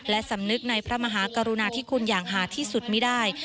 และสำนึกในพระมหากรุณาธิคุณอย่างหาที่สุดไม่ได้